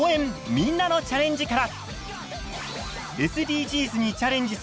みんなのチャレンジ」から！